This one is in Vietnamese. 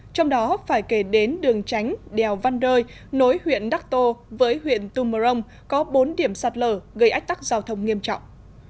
trong đó phải kể đến đường tránh đèo văn rơi nối huyện đắc tô với huyện tumorong có bốn điểm sạt lở gây ách tắc giao thông nghiêm trọng